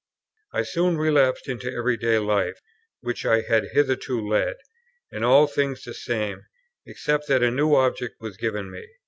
I soon relapsed into the every day life which I had hitherto led; in all things the same, except that a new object was given me.